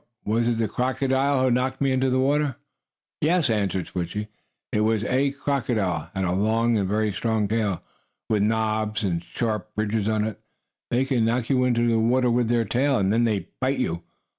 Was it the crocodile who knocked me into the water?" "Yes," answered Switchie, "it was. A crocodile has a long and very strong tail, with knobs and sharp ridges on it. They can knock you into the water with their tail, and then they bite you.